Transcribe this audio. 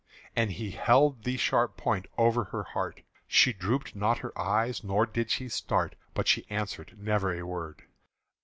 And he held the sharp point over her heart: She drooped not her eyes nor did she start, But she answered never a word.